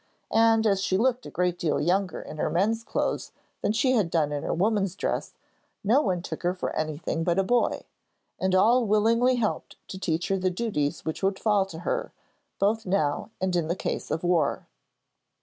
And, as she looked a great deal younger in her men's clothes than she had done in her woman's dress, no one took her for anything but a boy, and all willingly helped to teach her the duties which would fall to her, both now and in case of war.